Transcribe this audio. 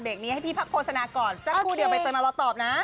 นี้ให้พี่พักโฆษณาก่อนสักครู่เดียวใบเตยมารอตอบนะ